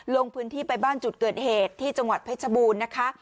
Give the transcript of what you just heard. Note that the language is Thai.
ลงพื้นที่ไปบ้านจุดเกิดเหตุที่จังหวัดเพชรบูรณ์นะคะ